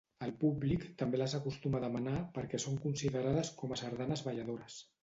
El públic també les acostuma a demanar perquè són considerades com a sardanes balladores.